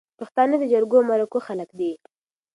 پښتانه د جرګو او مرکو خلک دي